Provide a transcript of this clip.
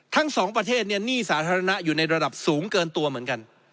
ทั้งสองประเทศเนี่ยหนี้สาธารณะอยู่ในระดับสูงเกินตัวเหมือนกัน